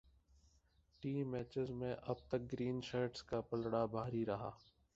T matches میں اب تک گرین شرٹس کا پلڑا بھاری رہا